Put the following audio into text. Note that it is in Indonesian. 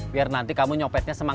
biar nanti kamu nyopetnya sama ubed